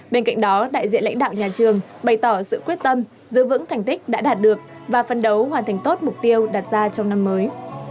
bên cạnh đó đại diện lãnh đạo nhà trường bày tỏ sự quyết tâm giữ vững thành tích đã đạt được và phân đấu hoàn thành tốt mục tiêu đạt ra trong năm mới